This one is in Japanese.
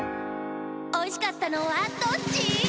おいしかったのはどっち？